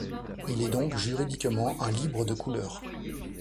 Il est donc, juridiquement, un libre de couleur.